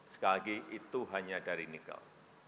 sekali lagi itu hanya dari nikel